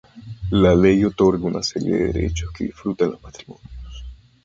La Ley otorga una serie de derechos que disfrutan los matrimonios.